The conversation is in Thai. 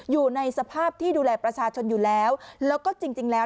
อยู่ในสภาพที่ดูแลประชาชนอยู่แล้วแล้วก็จริงจริงแล้ว